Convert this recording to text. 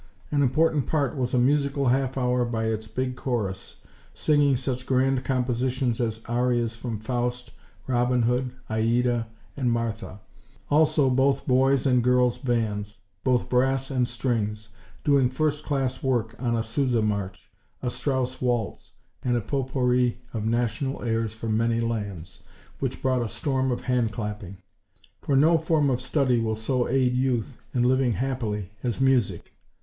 An important part was a musical half hour by its big chorus, singing such grand compositions as arias from Faust, Robin Hood, Aida, and Martha; also both boys' and girls' bands, both brass and strings, doing first class work on a Sousa march, a Strauss waltz, and a potpourri of National airs from many lands, which brought a storm of hand clapping; for no form of study will so aid youth in living happily, as music.